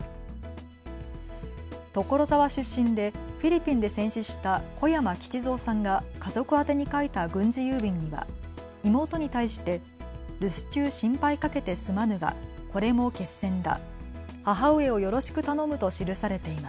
所沢出身でフィリピンで戦死した小山吉蔵さんが家族宛てに書いた軍事郵便には妹に対して留守中、心配かけてすまぬがこれも決戦だ。